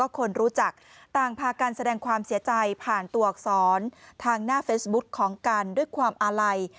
คนรู้จักต่างพากันแสดงความเสียใจผ่านตัวอักษรทางหน้าเฟซบุ๊คของกันด้วยความอาลัย